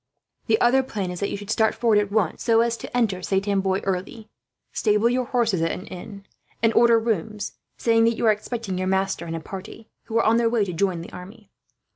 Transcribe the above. "The other plan is that you should start forward at once, so as to enter Saint Amboise early. Stable your horse at an inn; and order rooms, saying that you are expecting your master and a party, who are on their way to join the army.